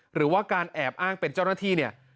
หรือว่าการแอบอ้างเป็นเจ้าหน้าที่เนี่ย